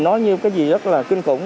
nó như cái gì rất là kinh khủng